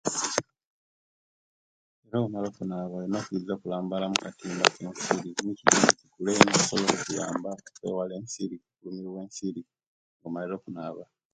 No omala okunaba olina okwiiza okulambala mukatimba ekensiri bisobwola okutiyamba owali ensiri kino kitiyamba obutalimuya ensiri nga omalire okunaba